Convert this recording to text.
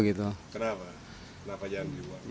kenapa kenapa jangan di luar